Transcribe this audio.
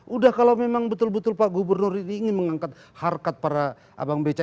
udah kalau memang betul betul pak gubernur ini ingin mengangkat harkat para abang beca